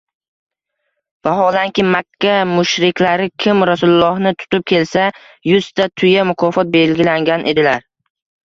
Vaholanki Makka mushriklari kim Rosulullohni tutib kelsa yuzta tuya mukofot belgilagan edilar.